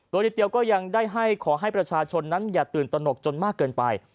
โดยนิดเดียวก็ยังได้ให้ขอให้ประชาชนนั้นอย่าตื่นตนกจนมากเกินไป